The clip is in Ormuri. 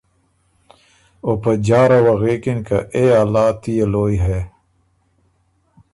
او په جهره وه غوېکِن که اے اللّه تُو يې لویٛ هې،